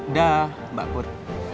dah mbak pur